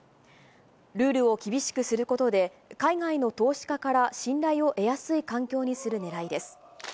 ルールを厳しくすることで、海外の投資家から信頼を得やすい環境にするねらいです。